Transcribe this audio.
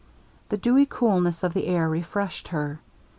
The dewy coolness of the air refreshed her.